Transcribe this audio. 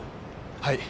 はい。